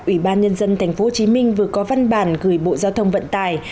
ủy ban nhân dân tp hcm vừa có văn bản gửi bộ giao thông vận tài